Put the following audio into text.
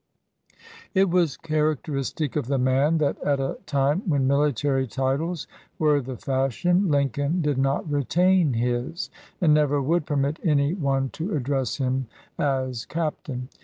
It was characteristic of the man that at a time when military titles were the fashion Lincoln did not retain his, and never would permit any one to address him as captain.